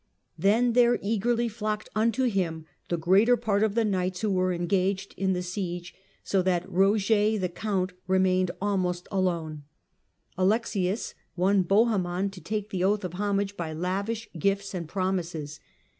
Then there eagerly flocked unto him the greater part of the knights who were engaged in the siege, so that Roger the Count remained almost alone." Alexius won Bohemond to take the oath of homage by lavish gifts and promises.